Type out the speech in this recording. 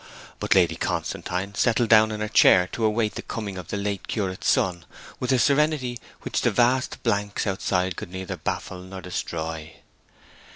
But Lady Constantine settled down in her chair to await the coming of the late curate's son with a serenity which the vast blanks outside could neither baffle nor destroy.